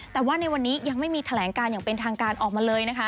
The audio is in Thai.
แต่ว่าในวันนี้ยังไม่มีแถลงการอย่างเป็นทางการออกมาเลยนะคะ